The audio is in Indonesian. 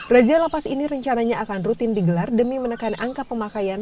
razia lapas ini rencananya akan rutin digelar demi menekan angka pemakaian